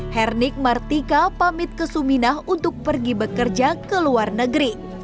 hernik martika pamit ke suminah untuk pergi bekerja ke luar negeri